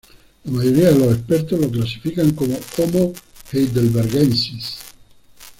La mayoría de los expertos lo clasifica como "Homo heidelbergensis".